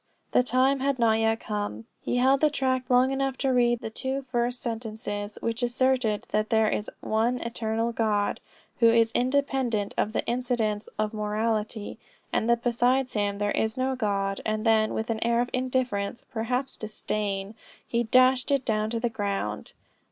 the time had not yet come. He held the tract long enough to read the two first sentences, which assert that there is one eternal God, who is independent of the incidents of mortality and that besides him, there is no God; and then with an air of indifference, perhaps disdain, he dashed it down to the ground!